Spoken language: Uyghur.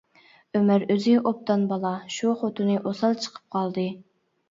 -ئۆمەر ئۆزى ئوبدان بالا، شۇ خوتۇنى ئوسال چىقىپ قالدى.